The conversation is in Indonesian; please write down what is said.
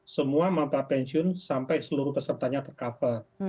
semua mampat pensiun sampai seluruh pesertanya ter cover